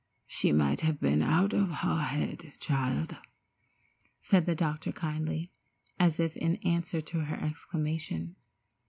"She might have been out of her head, child," said the doctor kindly, as if in answer to her exclamation.